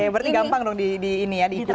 berarti gampang dong di ini ya diikutin ya di rumah